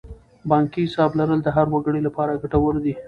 بانکي حساب لرل د هر وګړي لپاره ګټور دی.